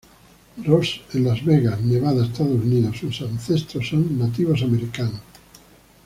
Rose en Las Vegas, Nevada, Estados Unidos, sus ancestros son nativos americanos.